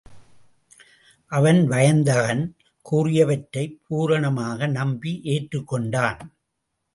அவன் வயந்தகன் கூறியவற்றைப் பூரணமாக நம்பி ஏற்றுக்கொண்டான்.